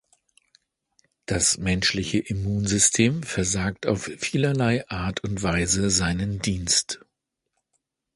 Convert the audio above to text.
Das menschliche Immunsystem versagt auf vielerlei Art und Weise seinen Dienst.